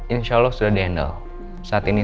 insya allah sudah handle saat ini